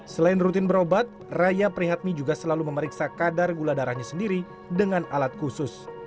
selain rutin berobat raya prihatmi juga selalu memeriksa kadar gula darahnya sendiri dengan alat khusus